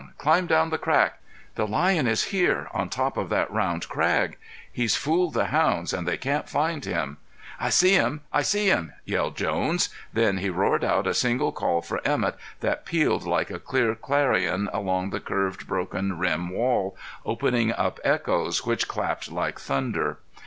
Climb down the crack. The lion is here; on top of that round crag. He's fooled the hounds and they can't find him." "I see him! I see him!" yelled Jones. Then he roared out a single call for Emett that pealed like a clear clarion along the curved broken rim wall, opening up echoes which clapped like thunder.